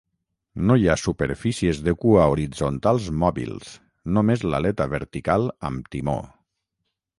No hi ha superfícies de cua horitzontals mòbils, només l'aleta vertical amb timó